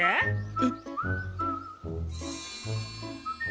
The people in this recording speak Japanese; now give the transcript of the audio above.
えっ。